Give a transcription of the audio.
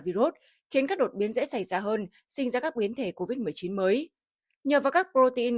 virus khiến các đột biến dễ xảy ra hơn sinh ra các biến thể covid một mươi chín mới nhờ vào các protein